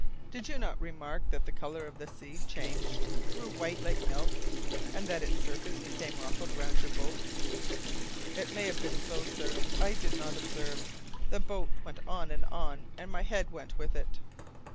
"Did you not remark that the colour of the sea changed, grew white like milk, and that its surface became ruffled around your boat?" "It may have been so, sir; I did not observe. The boat went on and on, and my head went with it."